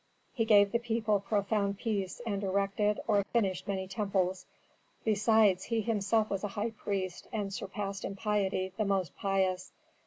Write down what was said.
He gave the people profound peace and erected or finished many temples. Besides, he was himself a high priest and surpassed in piety the most pious.